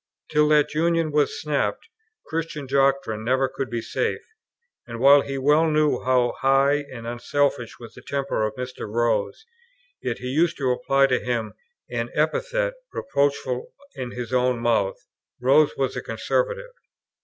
Till that union was snapped, Christian doctrine never could be safe; and, while he well knew how high and unselfish was the temper of Mr. Rose, yet he used to apply to him an epithet, reproachful in his own mouth; Rose was a "conservative."